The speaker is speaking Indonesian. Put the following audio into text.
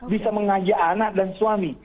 bisa mengajak anak dan suami